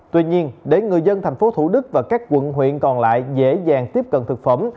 tuy nhiên để người dân thành phố thủ đức và các quận huyện còn lại dễ dàng tiếp cận thực phẩm